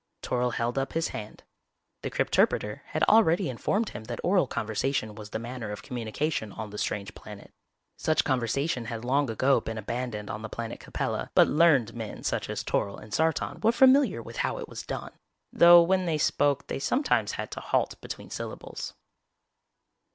Toryl held up his hand. The crypterpreter had already informed him that oral conversation was the manner of communication on the strange planet. Such conversation had long ago been abandoned on the planet Capella, but learned men such as Toryl and Sartan were familiar with how it was done, though when they spoke they sometimes had to halt between syllables.